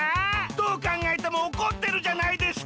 どうかんがえてもおこってるじゃないですか！